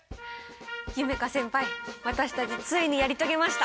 夢叶先輩私たちついにやり遂げました。